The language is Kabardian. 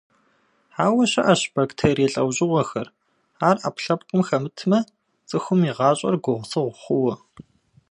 Ауэ щыӏэщ бактерие лӏэужьыгъуэхэр, ар ӏэпкълъэпкъым хэмытмэ цӏыхум и гъащӏэр гугъусыгъу хъууэ.